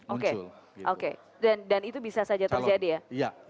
oke oke dan itu bisa saja terjadi ya